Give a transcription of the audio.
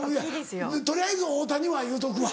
取りあえず太田には言うとくわ。